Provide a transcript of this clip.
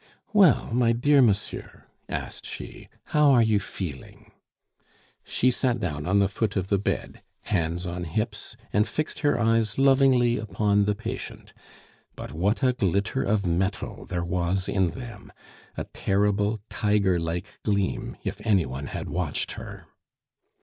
"Well, my dear monsieur," asked she, "how are you feeling?" She sat down on the foot of the bed, hands on hips, and fixed her eyes lovingly upon the patient; but what a glitter of metal there was in them, a terrible, tiger like gleam if any one had watched her.